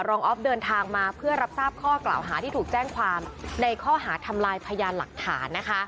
ออฟเดินทางมาเพื่อรับทราบข้อกล่าวหาที่ถูกแจ้งความในข้อหาทำลายพยานหลักฐานนะคะ